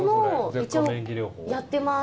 やってます！